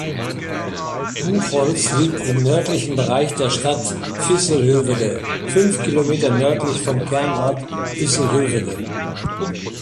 Buchholz liegt im nördlichen Bereich der Stadt Visselhövede, fünf Kilometer nördlich vom Kernort Visselhövede.